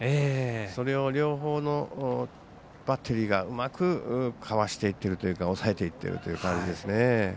それを両方のバッテリーがうまくかわしていってるというか抑えているというような感じです。